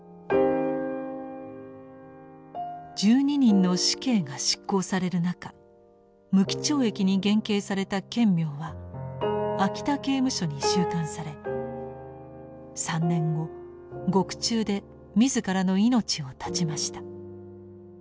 １２人の死刑が執行される中無期懲役に減刑された顕明は秋田刑務所に収監され３年後獄中で自らの命を絶ちました。